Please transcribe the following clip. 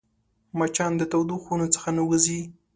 مچان د تودو خونو څخه نه وځي